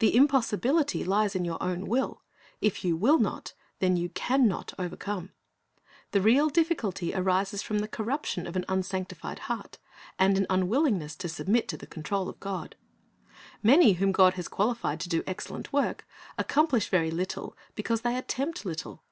The impossibility lies in your own will. If you will not, then you can not overcome. The real difficulty arises from the corruption of an unsanctified heart, and an unwillingness to submit to the control of God. Many whom God has qualified to do excellent work accomplish very little, because they attempt little.